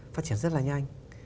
phát triển rất là nhanh